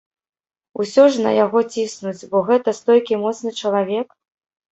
Усё ж на яго ціснуць, бо гэта стойкі і моцны чалавек?